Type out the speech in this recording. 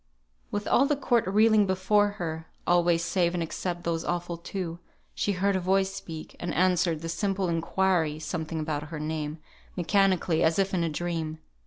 With all the court reeling before her (always save and except those awful two), she heard a voice speak, and answered the simple inquiry (something about her name) mechanically, as if in a dream.